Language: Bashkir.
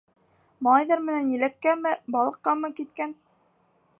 Малайҙар менән еләккәме, балыҡҡамы киткән.